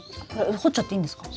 掘っちゃっていいんですか？